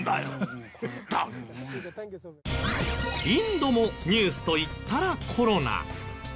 インドもニュースといったらコロナ。